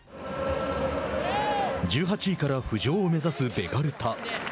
１８位から浮上を目指すベガルタ。